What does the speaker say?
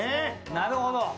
なるほど！